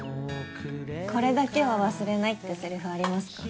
これだけは忘れないってセリフありますか？